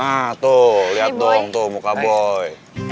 nah tuh liat dong tuh muka boy